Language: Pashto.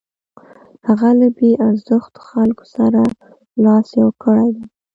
هغه له بې ارزښتو خلکو سره لاس یو کړی دی.